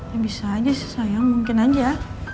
ya bisa aja sih sayang mungkin aja